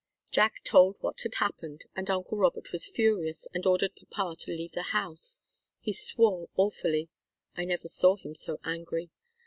Jack told what had happened, and uncle Robert was furious and ordered papa to leave the house he swore awfully I never saw him so angry.